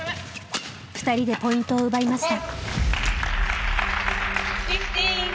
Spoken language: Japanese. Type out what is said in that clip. ふたりでポイントを奪いました。